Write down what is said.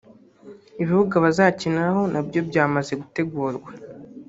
Ibibuga bazakiniraho nabyo byamaze gutegurwa